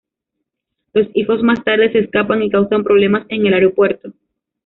Los hijos más tarde se escapan y causan problemas en el aeropuerto.